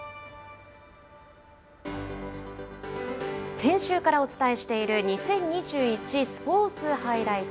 先週からお伝えしている２０２１スポーツハイライト。